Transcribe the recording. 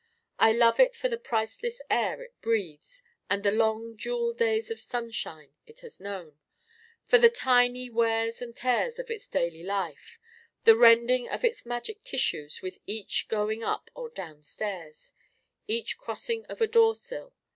I love it for the priceless air it breathes and the long jewel days of sunshine it has known: for the tiny wears and tears of its daily life the rending of its magic tissues with each going up or down stairs, each crossing of a door sill.